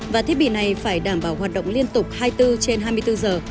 và thiết bị này phải đảm bảo hoạt động liên tục hai mươi bốn trên hai mươi bốn giờ